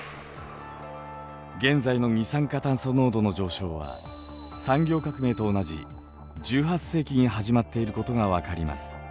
現在の二酸化炭素濃度の上昇は産業革命と同じ１８世紀に始まっていることが分かります。